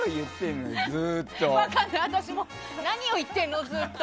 何を言ってるの、ずっと。